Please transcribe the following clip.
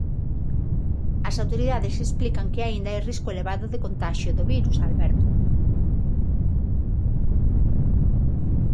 As autoridades explican que aínda hai risco elevado de contaxio do virus, Alberto...